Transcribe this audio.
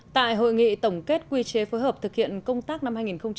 tại hội nghị tổng kết quy chế phối hợp thực hiện công tác năm hai nghìn một mươi chín